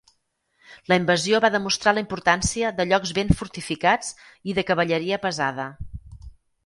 La invasió va demostrar la importància de llocs ben fortificats i de cavalleria pesada.